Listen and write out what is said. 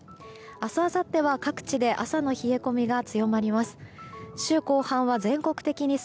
明日あさっては各地で朝の冷え込みが強まります。